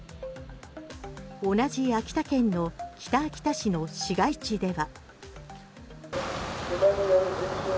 同じ秋田県の北秋田市の市街地では。